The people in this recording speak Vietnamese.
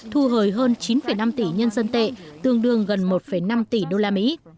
thu hồi hơn chín năm tỷ nhân dân tệ tương đương gần một năm tỷ đô la mỹ